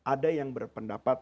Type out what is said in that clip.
ada yang berpendapat